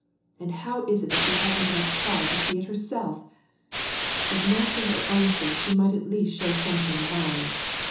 And how is it she hasn't enough pride to see it herself ? If not for her own sake, she might at least show some for mine.